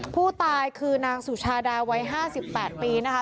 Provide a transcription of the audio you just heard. ผู้ตายคือนางสุชาดาวัย๕๘ปีนะคะ